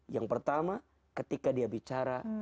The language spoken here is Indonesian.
yang pertama ketika dia bicara